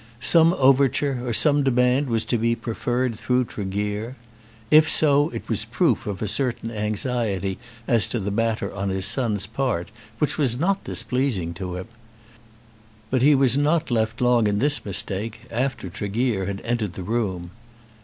Some overture or some demand was to be preferred through Tregear. If so, it was proof of a certain anxiety as to the matter on his son's part which was not displeasing to him. But he was not left long in this mistake after Tregear had entered the room.